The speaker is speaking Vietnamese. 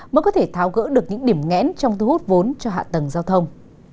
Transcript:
mới có thể tháo gỡ được những điểm ngẽn trong thu hút vốn cho hạ tầng giao thông